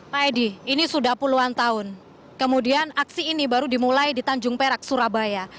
pak edi ini sudah puluhan tahun kemudian aksi ini baru dimulai di tanjung perak surabaya